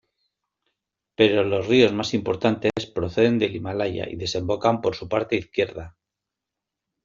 Pero los ríos más importantes proceden del Himalaya y desembocan por su parte izquierda.